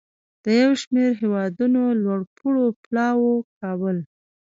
د یو شمیر هیوادونو لوړپوړو پلاوو کابل